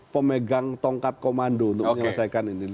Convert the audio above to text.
pemegang tongkat komando untuk menyelesaikan ini